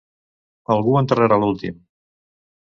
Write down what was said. Algú enterrarà l'últim.